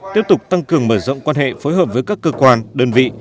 tiếp tục tăng cường mở rộng quan hệ phối hợp với các cơ quan đơn vị